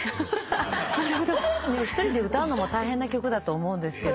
１人で歌うのも大変な曲だと思うんですけど。